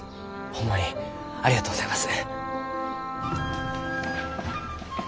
ホンマにありがとうございます。